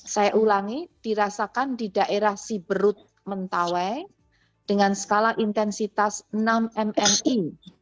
saya ulangi dirasakan di daerah siberut mentawai dengan skala intensitas enam mmi